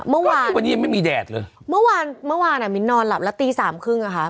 เมื่อวานวันนี้ยังไม่มีแดดเลยเมื่อวานแหน่มินตอนหลับแล้วตีสามครึ่งนะคะ